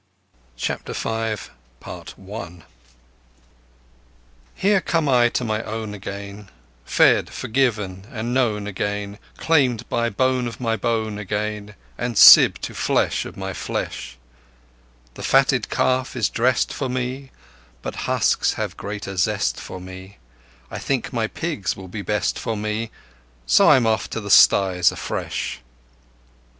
CHAPTER V Here come I to my own again Fed, forgiven, and known again Claimed by bone of my bone again, And sib to flesh of my flesh! The fatted calf is dressed for me, But the husks have greater zest for me ... I think my pigs will be best for me, So I'm off to the styes afresh.